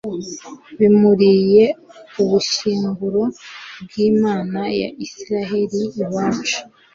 bimuriye ubushyinguro bw'imana ya israheli iwacu